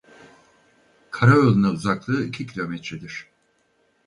Karayoluna uzaklığı iki kilometre dir.